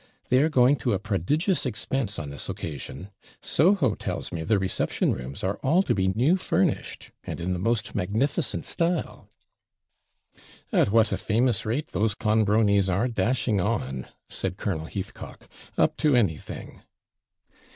They are going to a prodigious expense on this occasion. Soho tells me the reception rooms are all to be new furnished, and in the most magnificent style.' 'At what a famous rate those Clonbronies are dashing on,' said Colonel Heathcock. 'Up to anything.'